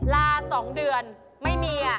ลาสองเดือนไม่มีอ่ะ